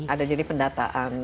ada jadi pendataan